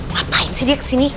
ngapain sih dia kesini